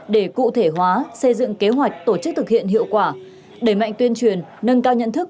để cụ thể hóa xây dựng kế hoạch tổ chức thực hiện hiệu quả đẩy mạnh tuyên truyền nâng cao nhận thức